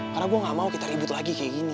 karena gue gak mau kita ribet lagi kayak gini